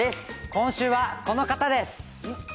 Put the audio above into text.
今週はこの方です。